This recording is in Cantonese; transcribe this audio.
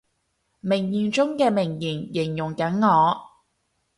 名言中嘅名言，形容緊我